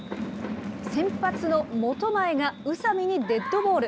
先発の本前が宇佐見にデッドボール。